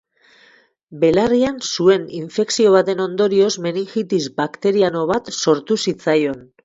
Belarrian zuen infekzio baten ondorioz meningitis bakteriano bat sortu zitzaion.